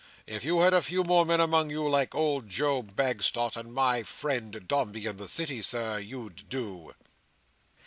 If you had a few more men among you like old Joe Bagstock and my friend Dombey in the City, Sir, you'd do!"